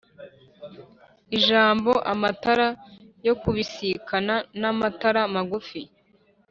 Ijambo” Amatara yo kubisikana n’amatara magufi